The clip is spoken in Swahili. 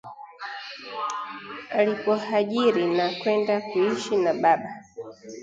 Alipohajiri na kwenda kuishi na baba